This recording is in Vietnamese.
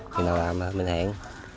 khi nào làm mình hẹn